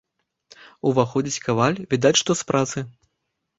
Уваходзіць каваль, відаць, што з працы.